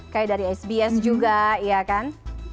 kayak dari sbs juga iya kan